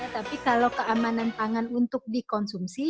tapi kalau keamanan pangan untuk dikonsumsi